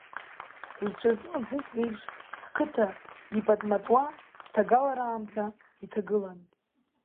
Зцәа зтәым аԥҳәыс леиԥш, ҳқыҭа, ипатматуа, ҭагалара аамҭа иҭагылан.